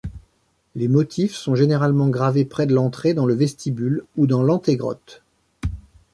Les motifs sont généralement gravés près de l'entrée, dans le vestibule ou dans l'anté-grotte.